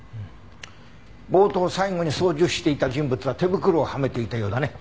ボートを最後に操縦していた人物は手袋をはめていたようだね。